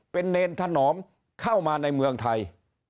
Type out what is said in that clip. เป็นเนรถนอมเข้ามาในเมืองไทย